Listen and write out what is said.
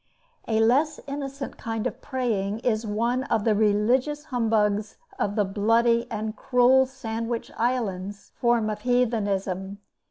A less innocent kind of praying is one of the religious humbugs of the bloody and cruel Sandwich Islands form of heathenism.